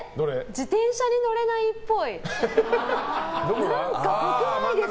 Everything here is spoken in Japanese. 自転車に乗れないっぽい。